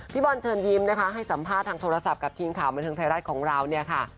พี่บอลเชิญยิ้มนะคะให้สัมภาษณ์ทางโทรศัพท์กับทีมข่าวบรรทึงไทยรัฐของเรา